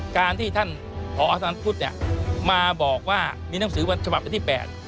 การที่ท่านผอสนานพุทธเนี่ยมาบอกว่ามีหนังสือวันฉบับวันที่๘